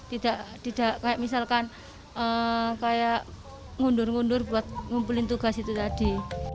tidak kayak misalkan kayak ngundur mundur buat ngumpulin tugas itu tadi